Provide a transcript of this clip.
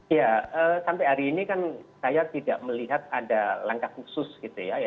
ya sampai hari ini kan saya tidak melihat ada langkah khusus gitu ya